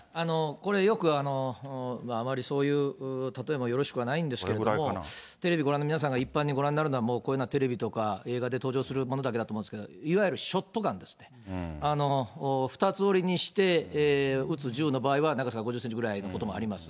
これ、よく、あまりそういう例えもよろしくはないんですけれども、テレビご覧の皆さんが一般にご覧になるのは、こういうのはテレビとか、映画で登場するものだけだと思うんですけれども、いわゆるショットガンですね、２つ折りにして撃つ銃の場合は、長さが５０センチぐらいのこともあります。